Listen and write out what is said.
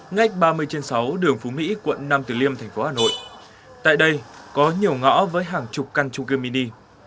ngách ba mươi trên sáu đường phú mỹ quận năm từ liêm thành phố hà nội tại đây có nhiều ngõ với hàng chục căn chung cư mini